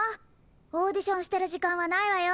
オーディションしてるじかんはないわよ。